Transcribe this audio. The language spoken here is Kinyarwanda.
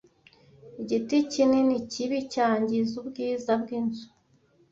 Igiti kinini kibi cyangiza ubwiza bwinzu.